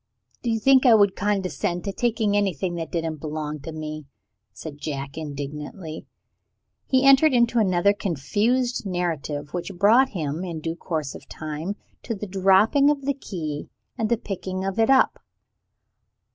"Do you think I would condescend to take anything that didn't belong to me?" said Jack indignantly. He entered into another confused narrative, which brought him, in due course of time, to the dropping of the key and the picking of it up.